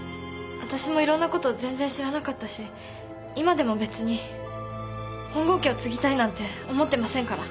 わたしもいろんなこと全然知らなかったし今でも別に本郷家を継ぎたいなんて思ってませんから。